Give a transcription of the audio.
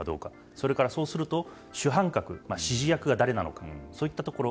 それから、そうすると主犯格指示役が誰なのかそういったところ。